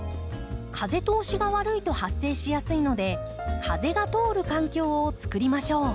風通しが悪いと発生しやすいので風が通る環境をつくりましょう。